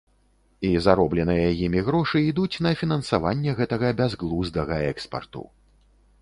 І заробленыя імі грошы ідуць на фінансаванне гэтага бязглуздага экспарту.